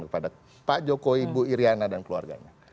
kepada pak jokowi bu iryana dan keluarganya